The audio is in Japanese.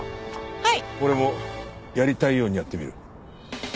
はい。